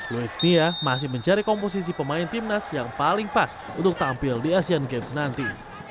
luis mia masih mencari komposisi pemain timnas yang paling pas untuk tampil di asean games nanti